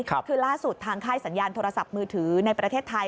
คือล่าสุดทางค่ายสัญญาณโทรศัพท์มือถือในประเทศไทย